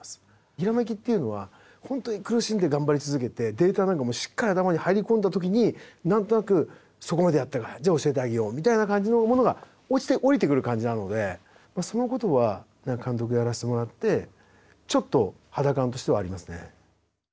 ひらめきっていうのは本当に苦しんで頑張り続けてデータなんかもしっかり頭に入り込んだ時に何となくそこまでやったかじゃあ教えてあげようみたいな感じのものが落ちて降りてくる感じなのでそのことは監督やらせてもらってちょっと肌感としてはありますね。